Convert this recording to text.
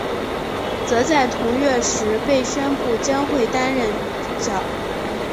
则在同月时被宣布将会担任女主角。